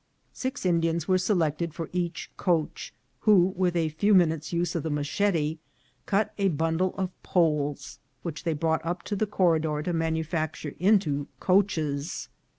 Six In dians were selected for each coach, who, with a few minutes' use of the machete, cut a bundle of poles, which they brought up to the corridor to manufacture into coaches.